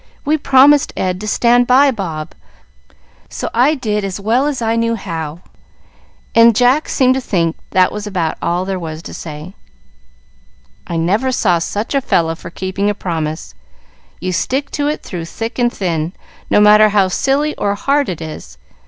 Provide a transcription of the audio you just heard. We promised Ed to stand by Bob, so I did as well as I knew how;" and Jack seemed to think that was about all there was to say. "I never saw such a fellow for keeping a promise! You stick to it through thick and thin, no matter how silly or hard it is.